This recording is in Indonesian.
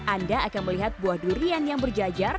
anda akan melihat buah durian yang berjajar